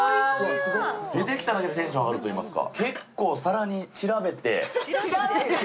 出てきただけでテンション上がるといいますか。